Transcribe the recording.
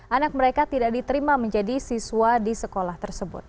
anak mereka tidak diterima menjadi siswa di sekolah tersebut